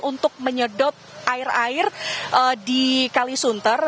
untuk menyedot air air di kalisunter